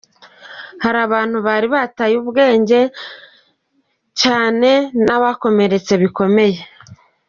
Hari abantu bari bataye ubwenge cyangwa bakomeretse bikomey.